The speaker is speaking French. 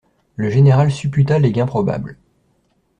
Le général supputa les gains probables.